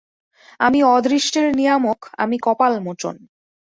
আমি অদৃষ্টের নিয়ামক, আমি কপালমোচন।